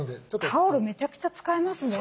タオルめちゃくちゃ使いますね。